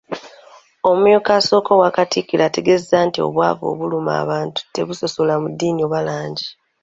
Omumyuka asooka owa Katikkiro ategeezezza nti obwavu obuluma abantu tebusosola mu ddiini oba langi.